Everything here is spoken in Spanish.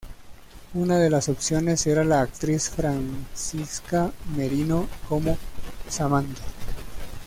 Una de las opciones era la actriz Francisca Merino como Samantha.